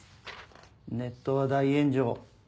ネットは大炎上。